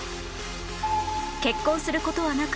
結婚する事はなく